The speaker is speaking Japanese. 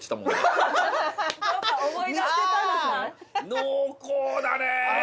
濃厚だね。